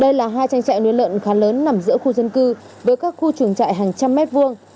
đây là hai trang trại nuôi lợn khá lớn nằm giữa khu dân cư với các khu trường trại hàng trăm mét vuông